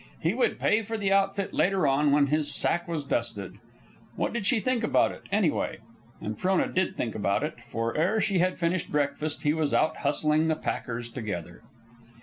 He would pay for the outfit later on when his sack was dusted. What did she think about it, anyway? And Frona did think about it, for ere she had finished breakfast he was out hustling the packers together.